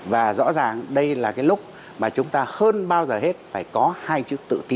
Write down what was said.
và rõ ràng đây là cái lúc mà chúng ta hơn bao giờ hết phải có hai chữ tự ti